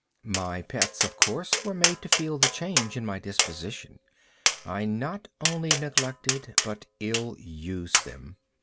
My pets, of course, were made to feel the change in my disposition. I not only neglected, but ill used them.